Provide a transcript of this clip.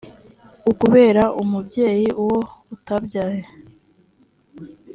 ukubera umubyeyi uwo utabyaye